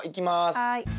はい。